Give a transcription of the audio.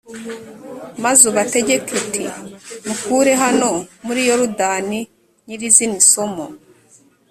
maze ubategeke uti ’mukure hano muri yorudani nyirizina isomo.